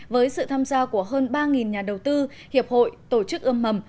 với sự tham gia của hơn ba nhà đầu tư hiệp hội tổ chức ươm mầm